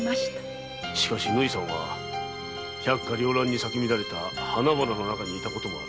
しかし縫さんは百花撩乱に咲く花々の中にいた事もある。